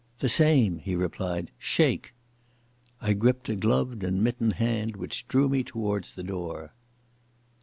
"The same," he replied. "Shake." I gripped a gloved and mittened hand which drew me towards the door.